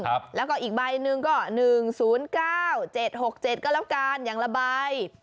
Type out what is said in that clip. ครับแล้วก็อีกใบหนึ่งก็หนึ่งศูนย์เก้าเจ็ดหกเจ็ดก็แล้วกันอย่างละใบ